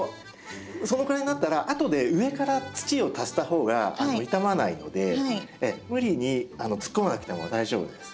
そのくらいになったら後で上から土を足した方が傷まないので無理に突っ込まなくても大丈夫です。